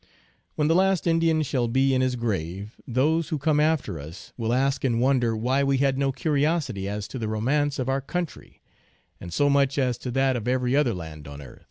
When the last Indian shall be in his grave, those who come after us will ask in wonder why we had no curiosity as to the romance of our country, and so much as to that of every other land on earth.